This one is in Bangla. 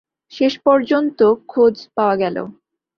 শেষ পর্যন্ত খোঁজ পাওয়া গেল।